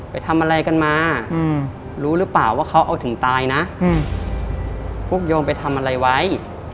ไปทำอะไรกันมารู้หรือเปล่าว่าเขาเอาถึงตายนะพวกโยมไปทำอะไรไว้